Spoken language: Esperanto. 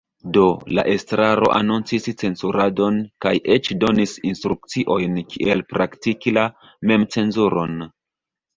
Do, la estraro anoncis cenzuradon kaj eĉ donis instrukciojn kiel praktiki la memcenzuron.